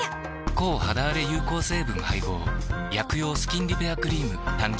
抗肌あれ有効成分配合薬用スキンリペアクリーム誕生